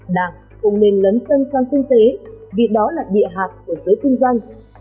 đảng không nên lấn sân sang kinh tế vì đó là địa hạt của giới kinh doanh